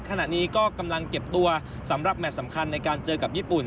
ขณะนี้ก็กำลังเก็บตัวสำหรับแมทสำคัญในการเจอกับญี่ปุ่น